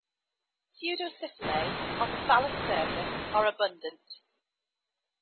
Pseudocyphellae on the thallus surface are abundant.